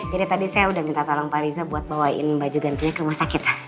jadi tadi saya udah minta tolong pak riza buat bawain baju gantinya ke rumah sakit